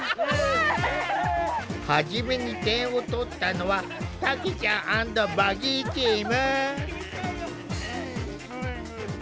初めに点を取ったのはたけちゃん＆ヴァギーチーム。